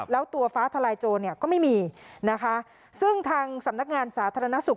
แล้วตัวฟ้าทลายโจรเนี่ยก็ไม่มีนะคะซึ่งทางสำนักงานสาธารณสุข